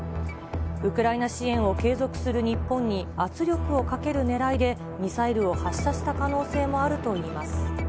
ウクライナ支援を継続する日本に、圧力をかけるねらいでミサイルを発射した可能性もあるといいます。